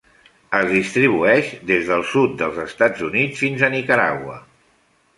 Es distribueix des del sud dels Estats Units fins a Nicaragua.